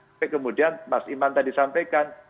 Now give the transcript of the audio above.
sampai kemudian mas iman tadi sampaikan